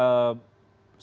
dan berhubungan dengan kami